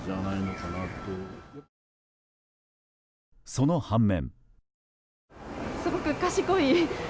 その半面。